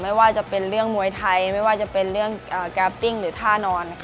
ไม่ว่าจะเป็นเรื่องมวยไทยไม่ว่าจะเป็นเรื่องแกปิ้งหรือท่านอน